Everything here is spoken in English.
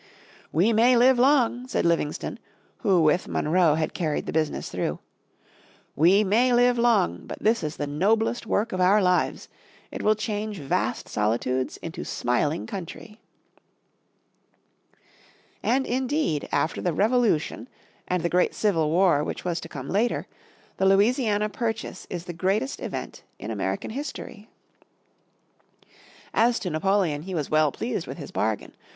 "We may live long," said Livingston, who with Monroe had carried the business through, "we may live long, but this is the noblest work of our lives. It will change vast solitudes into smiling country." Three greatest events in the History of the United States And indeed, after the Revolution, and the great Civil War which was to come later, the Louisiana Purchase is the greatest event in American History. As to Napoleon, he was well pleased with his bargain.